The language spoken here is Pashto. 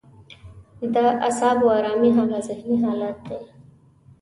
د اعصابو ارامي هغه ذهني حالت دی.